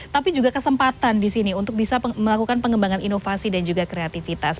tapi juga kesempatan di sini untuk bisa melakukan pengembangan inovasi dan juga kreativitas